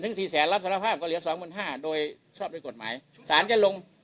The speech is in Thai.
สี่แสนรับสารภาพก็เหลือสองหมื่นห้าโดยชอบด้วยกฎหมายสารจะลง